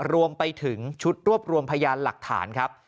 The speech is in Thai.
รวมไปถึงชุดรวบรวมพยานหลักฐานครับ